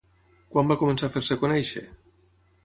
Quan va començar a fer-se conèixer?